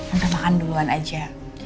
udah makan duluan aja